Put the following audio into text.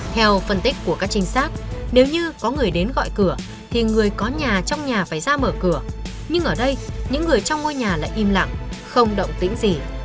theo phân tích của các trinh sát nếu như có người đến gọi cửa thì người có nhà trong nhà phải ra mở cửa nhưng ở đây những người trong ngôi nhà lại im lặng không động tĩnh gì